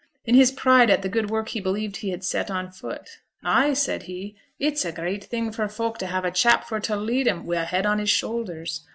in his pride at the good work he believed he had set on foot. 'Ay,' said he; 'it's a great thing for folk to have a chap for t' lead 'em wi' a head on his shouthers.